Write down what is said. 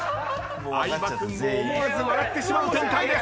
相葉君も思わず笑ってしまう展開です。